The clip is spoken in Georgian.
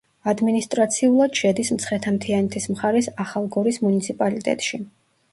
ადმინისტრაციულად შედის მცხეთა-მთიანეთის მხარის ახალგორის მუნიციპალიტეტში.